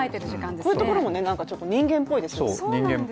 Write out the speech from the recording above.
こういうところもちょっと人間っぽいですよね。